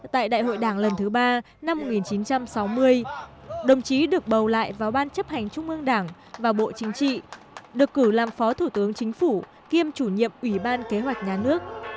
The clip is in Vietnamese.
tại đại hội đảng lần thứ ba năm một nghìn chín trăm sáu mươi đồng chí được bầu lại vào ban chấp hành trung ương đảng và bộ chính trị được cử làm phó thủ tướng chính phủ kiêm chủ nhiệm ủy ban kế hoạch nhà nước